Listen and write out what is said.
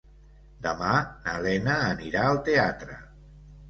Demà na Lena anirà al teatre.